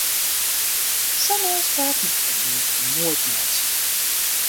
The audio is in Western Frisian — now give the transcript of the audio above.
Sa'n ôfspraak mocht de gemeente noait meitsje.